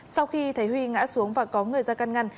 sau khi thấy huy ngã xuống và có người ra căn ngăn